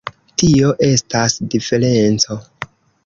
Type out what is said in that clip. Tio estas diferenco.